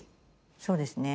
そうですね。